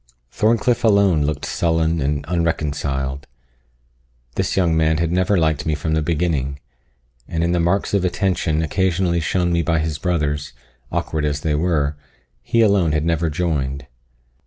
Thorncliff alone looked sullen and unreconciled. This young man had never liked me from the beginning; and in the marks of attention occasionally shown me by his brothers, awkward as they were, he alone had never joined.